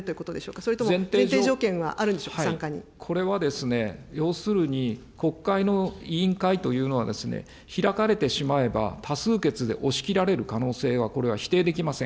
それとも前提条件はあるんでしょこれは要するに、国会の委員会というのは、開かれてしまえば、多数決で押し切られる可能性は、これは否定できません。